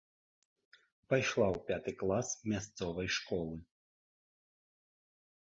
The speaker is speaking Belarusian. Пайшла ў пяты клас мясцовай школы.